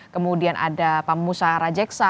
kemudian ada pak musa rajeksa